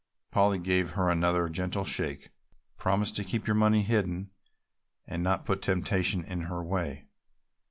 Polly gave her another gentle shake. "Promise to keep your money hidden and not put temptation in her way.